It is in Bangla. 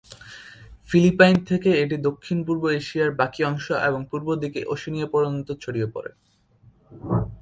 ফিলিপাইন থেকে এটি দক্ষিণ পূর্ব এশিয়ার বাকী অংশ এবং পূর্ব দিকে ওশেনিয়া পর্যন্ত ছড়িয়ে পড়ে।